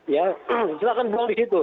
ya silahkan buang di situ